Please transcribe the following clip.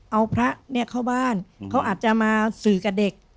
เอาพระเนี่ยเข้าบ้านเขาอาจจะมาสื่อกับเด็ก